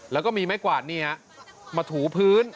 แล้วก็มีไม้กวาดนี่ฮะมาถูพื้น